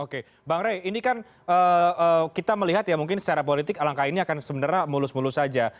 oke bang rey ini kan kita melihat ya mungkin secara politik alangkah ini akan sebenarnya mulus mulus saja